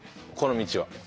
この道は。